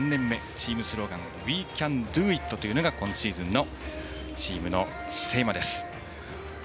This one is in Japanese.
チームスローガンは「Ｗｅｃａｎｄｏｉｔ！」というのが今シーズンのチームのテーマです。